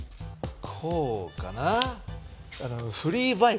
こうかな。